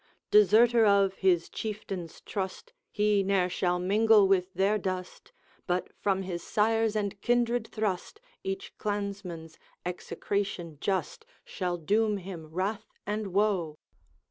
Deserter of his Chieftain's trust, He ne'er shall mingle with their dust, But, from his sires and kindred thrust, Each clansman's execration just Shall doom him wrath and woe.'